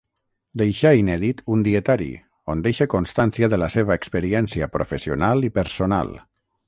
Deixà inèdit un dietari, on deixa constància de la seva experiència professional i personal.